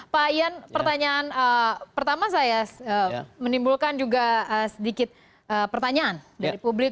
pak ian pertanyaan pertama saya menimbulkan juga sedikit pertanyaan dari publik